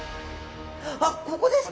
あっここですか！